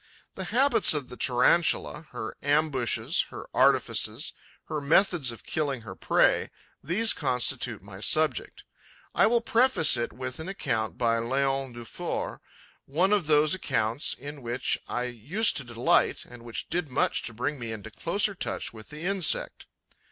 The habits of the Tarantula, her ambushes, her artifices, her methods of killing her prey: these constitute my subject. I will preface it with an account by Leon Dufour, one of those accounts in which I used to delight and which did much to bring me into closer touch with the insect.